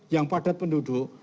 yang padat penduduk